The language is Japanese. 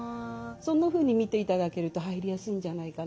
そんなふうに見ていただけると入りやすいんじゃないかなと思います。